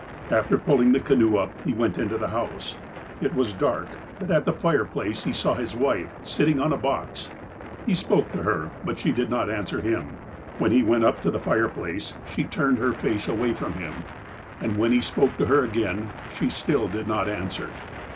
"After pulling the canoe up, he went into the house. It was dark, but at the fireplace he saw his wife, sitting on a box. He spoke to her, but she did not answer him. When he went up to the fireplace, she turned her face THE RELIGION OF THE TSIMSHEANS 105 away fioni bim, and, when he spoke to her again, she still did not answer.